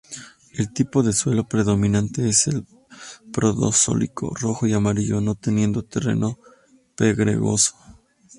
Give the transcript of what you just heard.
El tipo de suelo predominante es el prodzólico, rojo y amarillo, no teniendo terreno pedregoso.